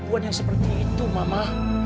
banyak orang yang berpikir mama